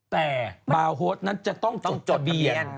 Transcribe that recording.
แต่บาร์โฮดนั้นจะต้องจดทะเบียน